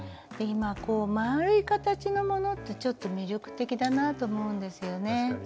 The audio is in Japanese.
今丸い形のものってちょっと魅力的だなって思うんですよね。